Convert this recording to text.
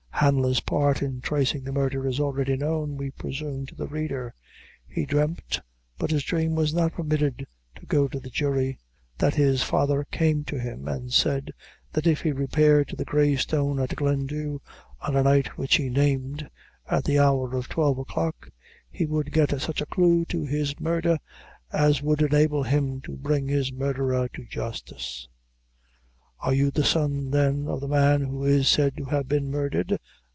Hanlon's part in tracing the murder is already known, we presume, to the reader. He dreamt, but his dream was not permitted to go to the jury, that his father came to him, and said, that if he repaired to the Grey Stone, at Glendhu, on a night which he named, at the hour of twelve o'clock, he would get such a clue to his murder as would enable him to bring his murderer to justice. "Are you the son, then, of the man who is said to have been murdered?"